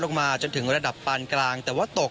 มาจนถึงระดับปานกลางแต่ว่าตก